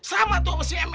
sama tuh sama si mm